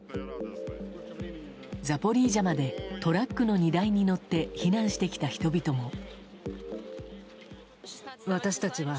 ザポリージャまでトラックの荷台に乗って避難してきた人々も。